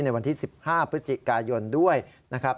ในวันที่๑๕พฤศจิกายนด้วยนะครับ